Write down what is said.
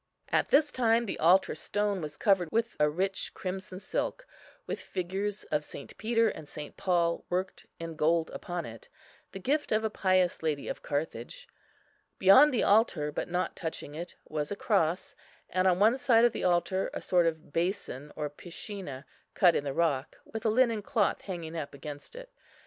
At this time the altar stone was covered with a rich crimson silk, with figures of St. Peter and St. Paul worked in gold upon it, the gift of a pious lady of Carthage. Beyond the altar, but not touching it, was a cross; and on one side of the altar a sort of basin or piscina cut in the rock, with a linen cloth hanging up against it.